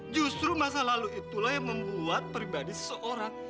justru masa lalu itulah yang membuat pribadi seorang